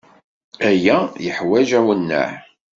Aya yeḥwaǧ awenneɛ.